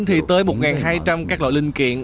thì tới một hai trăm linh các loại linh kiện